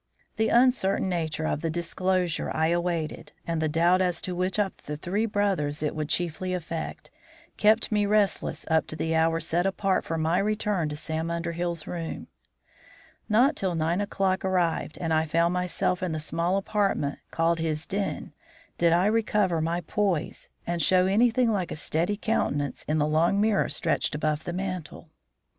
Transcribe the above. The uncertain nature of the disclosure I awaited, and the doubt as to which of the three brothers it would chiefly affect, kept me restless up to the hour set apart for my return to Sam Underhill's room. Not till nine o'clock arrived and I found myself in the small apartment called his den, did I recover my poise and show anything like a steady countenance in the long mirror stretched above the mantel.